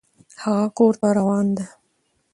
هغه کور ته روان ده